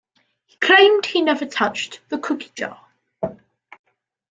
He claimed he never touched the cookie jar.